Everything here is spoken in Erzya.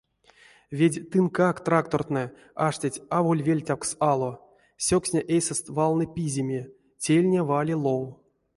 Ведь тынкак трактортнэ аштить аволь вельтявкс ало, сёксня эйсэст валны пиземе, тельня вали лов.